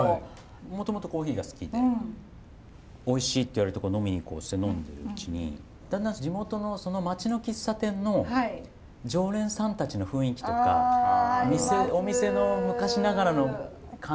もともとコーヒーが好きでおいしいって言われるとこ飲みに行こうって飲んでるうちにだんだん地元のその町の喫茶店の常連さんたちの雰囲気とかお店の昔ながらの感じとかの方にだんだん好きになってきて